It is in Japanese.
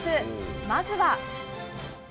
まずは。